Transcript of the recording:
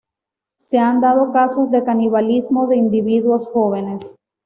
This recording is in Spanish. Se han dado casos de canibalismo de individuos jóvenes.